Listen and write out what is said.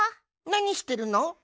なにしてるの？